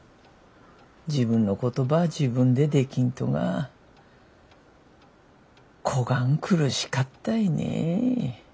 自分のことば自分でできんとがこがん苦しかったいね。